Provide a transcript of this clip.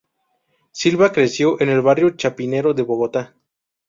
Silva creció en el barrio Chapinero de Bogotá.